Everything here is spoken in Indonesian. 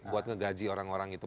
buat ngegaji orang orang itu